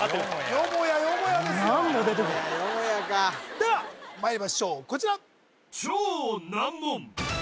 よもやよもやかではまいりましょうこちら